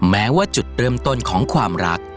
แม้ว่าจุดเริ่มต้นของความรัก